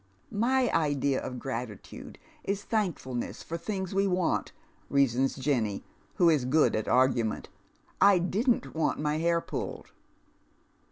" 3Iy idea of gratitude is thankfulness for things we want," reasons Jenny, who is good at argument. " I didn't want my hair pulled."